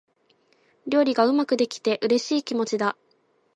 料理がうまくできて、嬉しい気持ちだ。